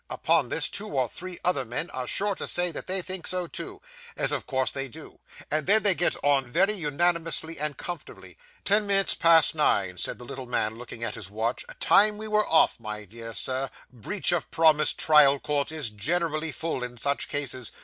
Upon this, two or three other men are sure to say that they think so too as of course they do; and then they get on very unanimously and comfortably. Ten minutes past nine!' said the little man, looking at his watch. 'Time we were off, my dear sir; breach of promise trial court is generally full in such cases.